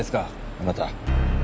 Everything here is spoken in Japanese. あなた。